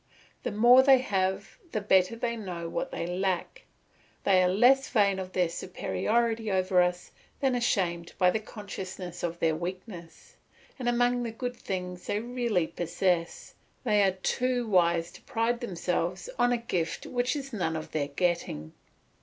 The more they have, the better they know what they lack. They are less vain of their superiority over us than ashamed by the consciousness of their weakness, and among the good things they really possess, they are too wise to pride themselves on a gift which is none of their getting.